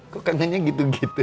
kok kangennya gitu gitu